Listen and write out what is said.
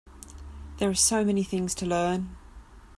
There are so many things to learn.